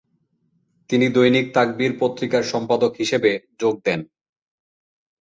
তিনি দৈনিক তাকবির পত্রিকার সম্পাদক হিসেবে যোগ দেন।